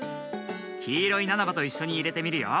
きいろいナナバといっしょにいれてみるよ。